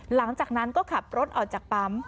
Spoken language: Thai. หลังจากนั้นก็ขับรถออกจากปั๊ม